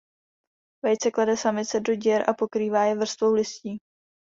Vejce klade samice do děr a pokrývá je vrstvou listí.